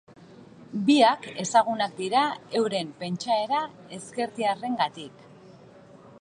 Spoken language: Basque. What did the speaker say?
Biak ezagunak dira euren pentsaera ezkertiarrarengatik.